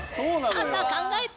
さあさあ考えて。